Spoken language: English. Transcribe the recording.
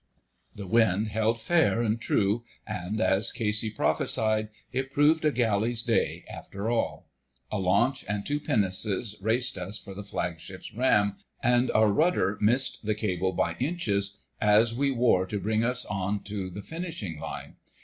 The wind held fair and true, and, as Casey prophesied, it proved a Galley's day after all. A launch and two pinnaces raced us for the Flagship's ram, and our rudder missed the cable by inches as we wore to bring us on to the finishing line.